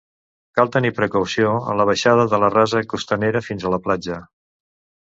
Cal tenir precaució en la baixada de la rasa costanera fins a la platja.